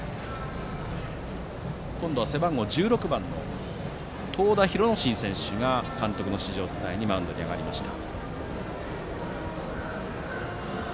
今度は背番号１６番の東田浩之新選手が監督の指示を伝えにマウンドに上がりました。